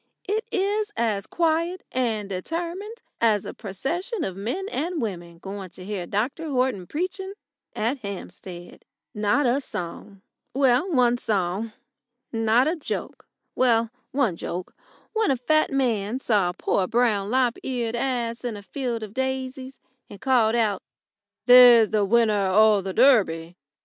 It is as quiet and determined as a procession of men and women going to hear Dr Horton preaching at Hampstead. Not a song well, one song. Not a joke well, one joke, when a fat man saw a poor brown lop eared ass in a field of daisies, and called out: "There's the winner o' the Durby!"